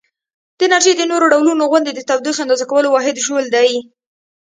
د انرژي د نورو ډولونو غوندې د تودوخې اندازه کولو واحد ژول دی.